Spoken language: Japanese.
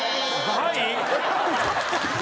はい？